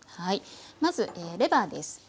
まずレバーです。